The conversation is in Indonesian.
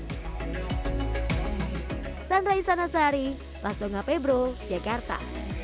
hai sandra isana sari mas dongga pebro jakarta